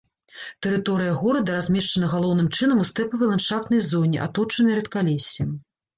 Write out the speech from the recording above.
Тэрыторыя горада размешчана галоўным чынам у стэпавай ландшафтнай зоне, аточанай рэдкалессем.